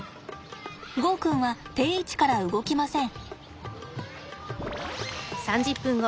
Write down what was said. ゴーくんは定位置から動きません。